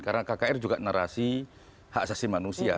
karena kkr juga narasi hak asasi manusia